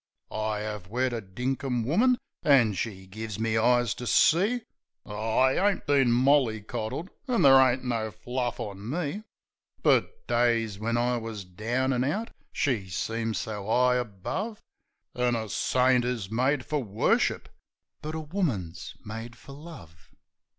I 'ave wed a dinkum woman, an' she's give me eyes to see. Oh, I ain't been mollycoddled, an' there ain't no fluff on me! But days when I wus down an' out she seemed so 'igh above; I An' a saint is made fer worship, but a woman's made fer love.